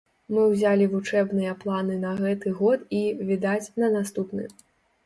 Мы ўзялі вучэбныя планы на гэты год і, відаць, на наступны.